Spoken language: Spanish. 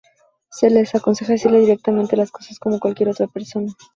Sue le aconseja decirle directamente las cosas como cualquier otra persona.